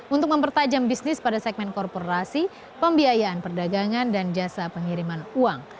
untuk mempertajam bisnis pada segmen korporasi pembiayaan perdagangan dan jasa pengiriman uang